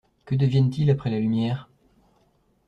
Que deviennent-ils après la lumière?